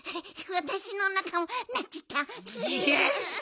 わたしのおなかもなっちゃった！